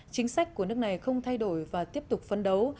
chính sách của nước này không thay đổi và tiếp tục phấn đấu